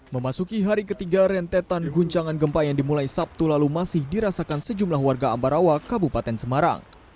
memasuki hari ketiga rentetan guncangan gempa yang dimulai sabtu lalu masih dirasakan sejumlah warga ambarawa kabupaten semarang